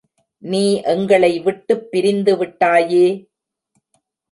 நீ எங்களை விட்டுப் பிரிந்துவிட்டாயே!.